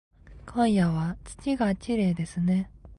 今夜は月がきれいですね